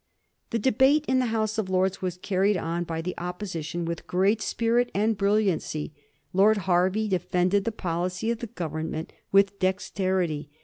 The debate in the House of Lords was carried on by the Opposition with great spirit and brilliancy. Lord Hervey defended the policy of the Government with dex terity.